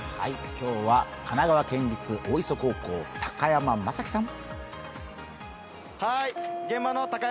今日は神奈川県立大磯高校、高山真葵さん。